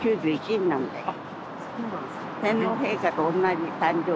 あそうなんですか。